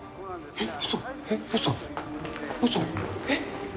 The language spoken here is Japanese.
えっ！？